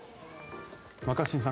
若新さん